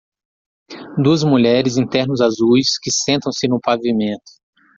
Duas mulheres em ternos azuis que sentam-se no pavimento.